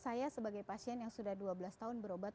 saya sebagai pasien yang sudah dua belas tahun berobat